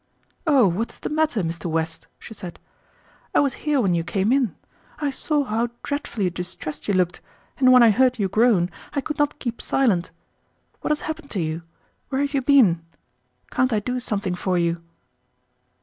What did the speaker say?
"Oh, what is the matter, Mr. West?" she said. "I was here when you came in. I saw how dreadfully distressed you looked, and when I heard you groan, I could not keep silent. What has happened to you? Where have you been? Can't I do something for you?"